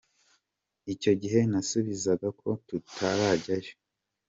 Icyo gihe nasubizaga ko tutarajyayo, ariko ubu nishimiye cyane kuba nje kwigira mu Rwanda”.